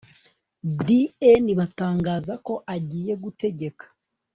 Dn batangaza ko agiye gutegeka